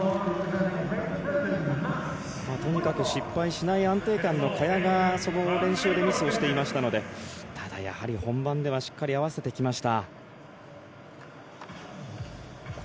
とにかく失敗しない安定感のところで練習でミスをしていましたのでただ、やはり本番ではしっかり合わせてきました。